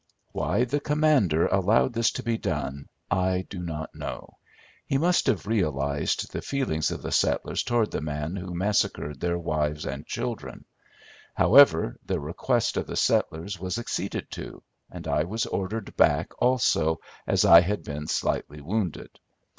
Why the commander allowed this to be done, I do not know. He must have realized the feelings of the settlers towards the man who massacred their wives and children. However, the request of the settlers was acceded to, and I was ordered back also, as I had been slightly wounded.